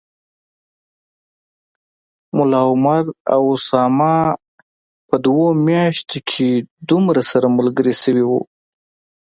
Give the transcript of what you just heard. ملا عمر او اسامه په دوو میاشتو کي دومره سره ملګري شوي و